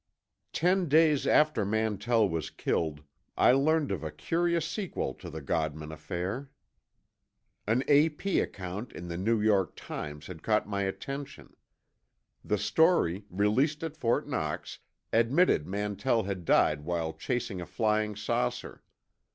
Ten days after Mantell was killed, I learned of a curious sequel to the Godman affair. An A.P. account in the New York Times had caught my attention. The story, released at Fort Knox, admitted Mantell had died while chasing a flying saucer.